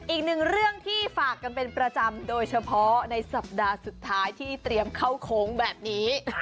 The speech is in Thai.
อีกหนึ่งเรื่องที่ฝากกันเป็นประจำโดยเฉพาะในสัปดาห์สุดท้ายที่เตรียมเข้าโค้งแบบนี้